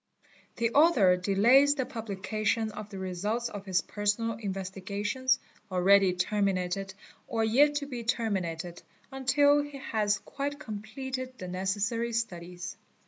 : The author delays the publication of the results of his personal — investigations (already terminated or yet to be terminated) until he has_ quite completed the necessary studies.